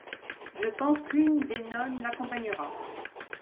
Je pense qu'une des nonnes l'accompagnera.